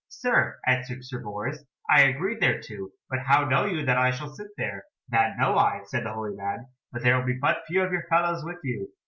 "Sir," answered Sir Bors, "I agree thereto, but how know you that I shall sit there?" "That know I," said the holy man, "but there will be but few of your fellows with you.